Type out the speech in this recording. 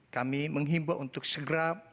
kami menghimbau untuk segera